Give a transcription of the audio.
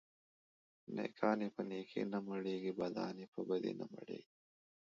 نيکان يې په نيکي نه مړېږي ، بدان يې په بدي نه مړېږي.